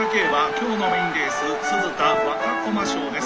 今日のメインレース鈴田若駒賞です。